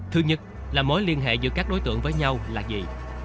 thứ nhất là mối liên hệ giữa các đối tượng với nhau là gì